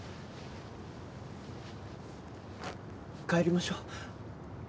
帰りましょう。